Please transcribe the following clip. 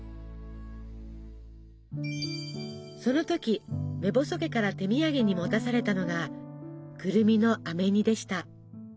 その時目細家から手土産に持たされたのがくるみのあめ煮でした。